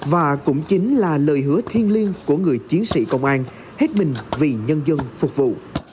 và cũng chính là lời hứa thiên liêng của người chiến sĩ công an hết mình vì nhân dân phục vụ